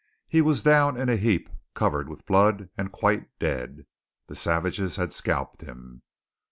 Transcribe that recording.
He was down in a heap, covered with blood, and quite dead. The savages had scalped him.